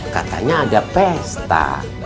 katanya ada pesta